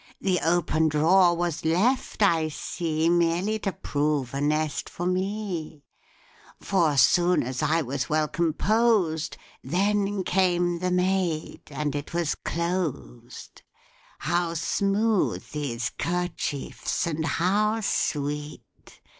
The open drawer was left, I see, Merely to prove a nest for me, For soon as I was well composed, Then came the maid, and it was closed, How smooth these 'kerchiefs, and how sweet!